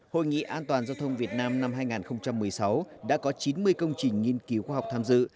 hội nghị an toàn giao thông việt nam năm hai nghìn một mươi sáu đã có chín mươi công trình nghiên cứu khoa học tham dự